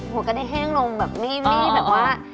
หัวกระดายแห้งลงแบบนี้แบบว่า